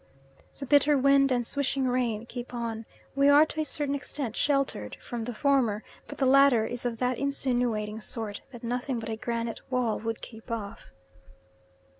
The bitter wind and swishing rain keep on. We are to a certain extent sheltered from the former, but the latter is of that insinuating sort that nothing but a granite wall would keep off.